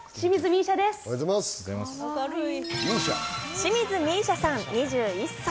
清水美依紗さん、２１歳。